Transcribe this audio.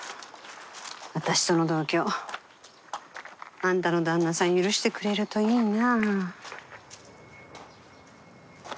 私との同居あんたの旦那さん許してくれるといいな。